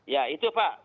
ya itu pak